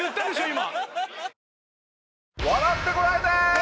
今。